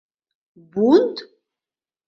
Бунт?